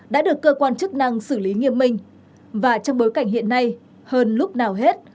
đã được cơ quan chức năng xử lý nghiêm minh và trong bối cảnh hiện nay hơn lúc nào hết